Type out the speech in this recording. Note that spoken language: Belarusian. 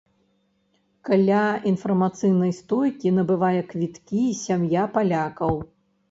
Каля інфармацыйнай стойкі набывае квіткі сям'я палякаў.